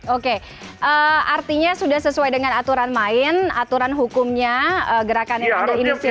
oke artinya sudah sesuai dengan aturan main aturan hukumnya gerakan yang ada inisiatif